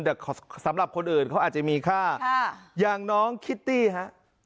แต่สำหรับคนอื่นเขาอาจจะมีค่าอย่างน้องคิตตี้ฮะ